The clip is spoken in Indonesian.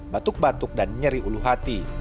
batuk batuk dan nyeri ulu hati